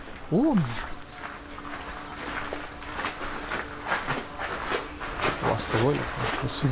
うわすごいな。